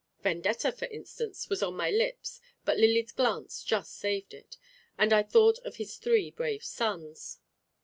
"Vendetta for instance," was on my lips, but Lily's glance just saved it. And I thought of his three brave sons.